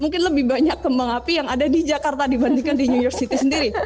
mungkin lebih banyak kembang api yang ada di jakarta dibandingkan di new york city sendiri